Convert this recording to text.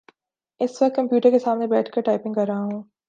اس وقت کمپیوٹر کے سامنے بیٹھ کر ٹائپنگ کر رہا ہوں۔